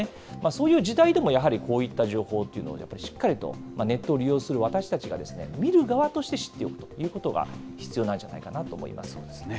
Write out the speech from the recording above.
そういう時代でも、やはりこういった情報っていうのをしっかりとネットを利用する私たちが見る側として知っておくということが必要なんじゃないかなと思います。